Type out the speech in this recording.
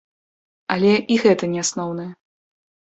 Але і гэта не асноўнае.